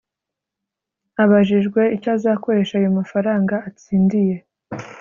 Abajijwe icyo azakoresha ayo mafaranga atsindiye